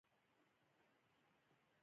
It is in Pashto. دومره وسه مو نشته چې ټوله ورځ اوبه واخلو.